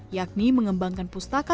yakni mengembangkan pustakaan